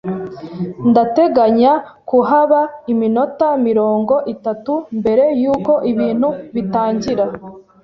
Ndateganya kuhaba iminota mirongo itatu mbere yuko ibintu bitangira.